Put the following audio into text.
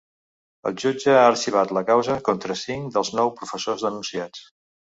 El jutge ha arxivat la causa contra cinc dels nou professors denunciats.